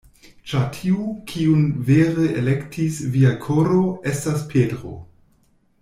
Ĉar tiu, kiun vere elektis via koro, estas Petro.